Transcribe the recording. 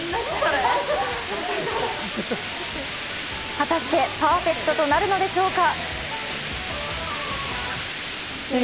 果たしてパーフェクトとなるのでしょうか？